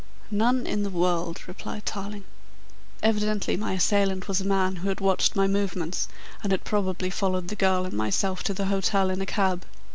"None in the world," replied Tarling. "Evidently my assailant was a man who had watched my movements and had probably followed the girl and myself to the hotel in a cab.